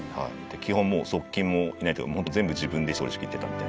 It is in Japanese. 基本的に側近もいないというか、全部自分で取りしきってたみたいな。